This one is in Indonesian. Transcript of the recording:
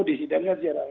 rizik juga tidak mau